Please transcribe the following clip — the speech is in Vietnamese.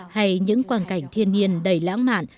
hay những quan cảnh thiên nhiên đầy lãng mạn